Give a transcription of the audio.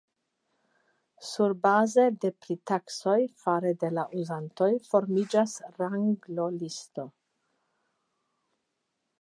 Surbaze de pritaksoj fare de la uzantoj formiĝas ranglolistoj.